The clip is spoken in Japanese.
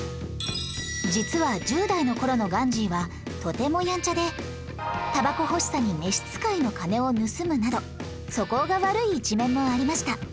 実は１０代の頃のガンジーはとてもやんちゃでタバコ欲しさに召使の金を盗むなど素行が悪い一面もありました